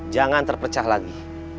jangan terpecah lagi